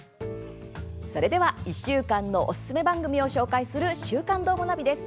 それでは１週間のおすすめ番組を紹介する「週刊どーもナビ」です。